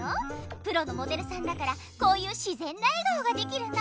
プロのモデルさんだからこういうしぜんな笑顔ができるの。